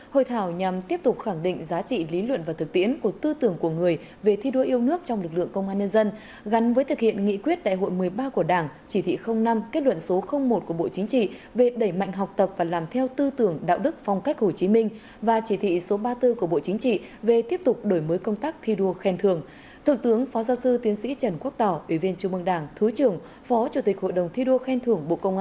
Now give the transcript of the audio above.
hội thảo nhằm tiếp tục khẳng định giá trị lý luận và thực tiễn của tư tưởng của người về thi đua yêu nước trong lực lượng công an nhân dân gắn với thực hiện nghị quyết đại hội một mươi ba của đảng chỉ thị năm kết luận số một của bộ chính trị về đẩy mạnh học tập và làm theo tư tưởng đạo đức phong cách hồ chí minh và chỉ thị số ba mươi bốn của bộ chính trị về tiếp tục đổi mới công tác thi đua khen thưởng